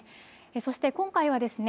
そして今回はですね